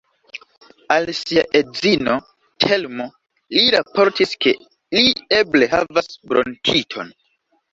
Al sia edzino, Telmo, li raportis ke li eble havas bronkiton.